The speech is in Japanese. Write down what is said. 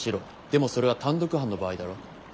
でもそれは単独犯の場合だろ？